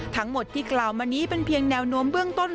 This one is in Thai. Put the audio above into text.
ทั้งหมดที่กล่าวมานี้เป็นเพียงแนวโน้มเบื้องต้น